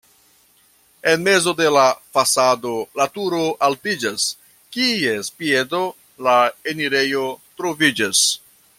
En mezo de la fasado la turo altiĝas, kies piedo la enirejo troviĝas.